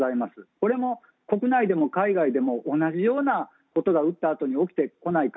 これも国内でも海外でも同じようなことが打ったあとに起きてこないか。